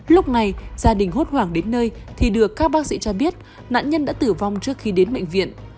lúc này gia đình hốt hoảng đến nơi thì được các bác sĩ cho biết nạn nhân đã tử vong trước khi đến bệnh viện